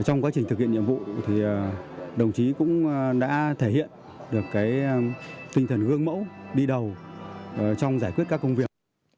trong quá trình thực hiện nhiệm vụ thì đồng chí cũng đã thể hiện được tinh thần gương mẫu đi đầu trong giải quyết các công việc